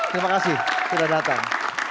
terima kasih sudah datang